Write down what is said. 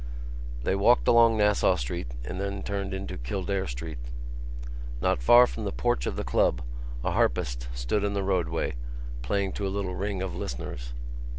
They walked along Nassau Street and then turned into Kildare Street. Not far from the porch of the club a harpist stood in the roadway, playing to a little ring of listeners.